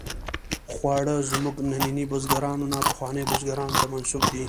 خواړه زموږ ننني بزګرانو نه، پخوانیو بزګرانو ته منسوب دي.